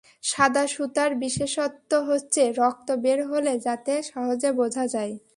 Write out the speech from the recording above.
সাদা সুতার বিশেষত্ব হচ্ছে, রক্ত বের হলে যাতে সহজে বোঝা যায়।